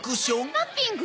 マッピング？